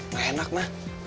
gak enak ma